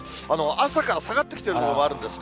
朝から下がってきてる所もあるんですね。